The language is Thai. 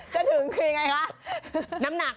จะถึงคือยังไงคะ